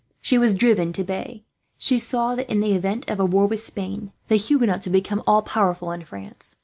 She was driven to bay. She saw that, in the event of a war with Spain, the Huguenots would become all powerful in France.